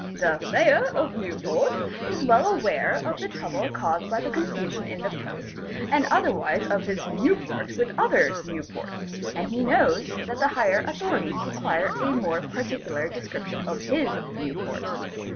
The Mayor of Newport is well aware of the trouble caused by the confusion in the post and otherwise of his Newport with other Newports, and he knows that the higher authorities require a more particular description of his Newport.